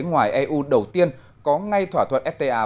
ngoài eu đầu tiên có ngay thỏa thuận fta